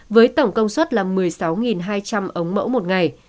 với tổng công suất là một mươi sáu hai trăm linh ống mẫu một ngày